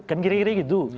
kan kira kira begitu